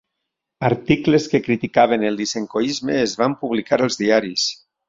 Articles que criticaven el Lysenkoisme es van publicar als diaris.